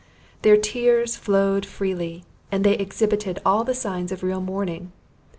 Their tears flowed freely, and they exhibited all the signs of real mourning.